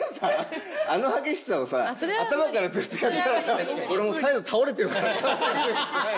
あの激しさをさ頭からずっとやってたら俺もう最後倒れてるからさ。